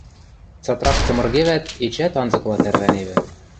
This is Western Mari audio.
Цатрак цымыргевӓт, эчеӓт анзыкыла тӓрвӓневӹ.